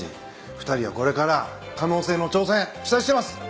２人のこれから可能性への挑戦期待してます！